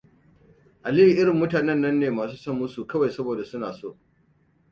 Aliyu irin mutanen nan ne masu son musu kawai saboda suna so.